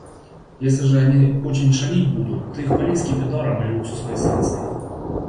Если же они очень шалить будут, ты их полей скипидаром или уксусной эссенцией.